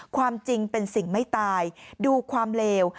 ความจริงเป็นสิ่งไม่ตายดูความเลว